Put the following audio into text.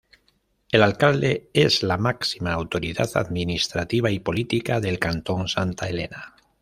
El Alcalde es la máxima autoridad administrativa y política del Cantón Santa Elena.